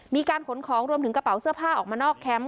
มีการขนของรวมถึงกระเป๋าเสื้อผ้าออกมานอกแคมป์